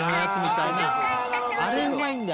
あれうまいんだよ